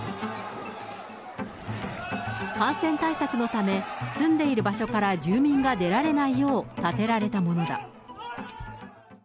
感染対策のため、住んでいる場所から住民が出られないよう建てられたものだ。